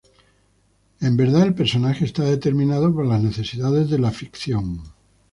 En verdad, el personaje está determinado por las necesidades de la ficción.